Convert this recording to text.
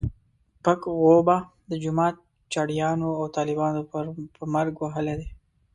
پک غوبه د جومات چړیانو او طالبانو په مرګ وهلی دی.